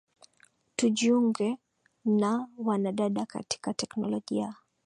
Tujiunge na wanadada katika teknolojia